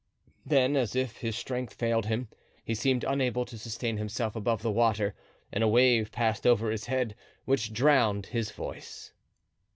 Then, as if his strength failed him, he seemed unable to sustain himself above the water and a wave passed over his head, which drowned his voice.